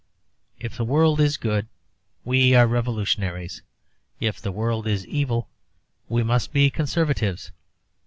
If the world is good we are revolutionaries, if the world is evil we must be conservatives.